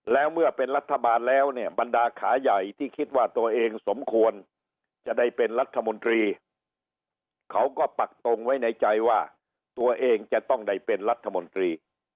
แล้วเมื่อเป็นรัฐบาลแล้วเนี่ยบรรดาขาใหญ่ที่คิดว่าตัวเองสมควรจะได้เป็นรัฐมนตรีเขาก็ปักตรงไว้ในใจว่าตัวเองจะต้องได้เป็นรัฐมนตรี